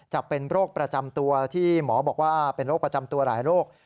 จะเป็นโรคประจำตัวที่หมอบอกว่าเป็นโรคประจำตัวหลายโรค